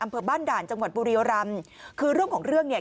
อำเภอบ้านด่านจังหวัดบุรียรำคือเรื่องของเรื่องเนี่ย